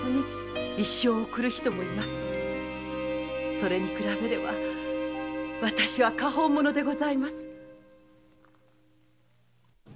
それに比べれば私は果報者でございます。